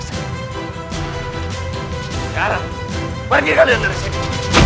sekarang pergi kalian dari sini